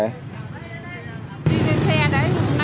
đi lên xe đấy hôm nay là xe tết hương đán đông